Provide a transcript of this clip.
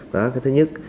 đó cái thứ nhất